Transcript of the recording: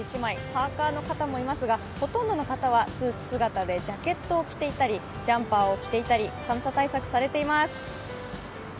パーカーの方もいますがほとんどの方はスーツ姿でジャケットを着ていたりジャンパーを着ていたり、寒さ対策しています。